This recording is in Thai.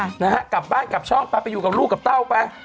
นะฮะกลับบ้านกลับช่องไปไปอยู่กับลูกกับเต้าไป